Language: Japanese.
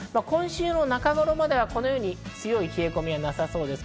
今週は中頃までは、このように強い冷え込みはなさそうです。